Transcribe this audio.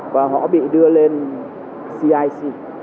và họ bị đưa lên cic